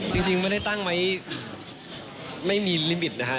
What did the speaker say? จริงไม่ได้ตั้งไว้ไม่มีลิบิตนะฮะ